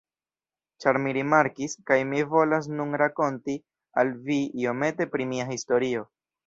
Ĉar mi rimarkis, kaj mi volas nun rakonti al vi iomete pri mia historio.